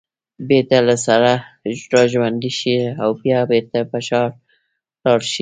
بېرته له سره راژوندي شي او بیا بېرته پر شا لاړ شي